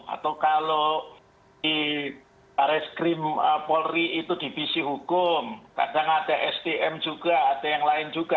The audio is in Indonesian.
atau kalau di baris krim polri itu divisi hukum kadang ada sdm juga ada yang lain juga